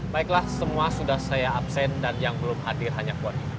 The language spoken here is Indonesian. baiklah semua sudah saya absen dan yang belum hadir hanya buat ini